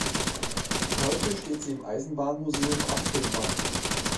Heute steht sie im Eisenbahnmuseum Ampflwang.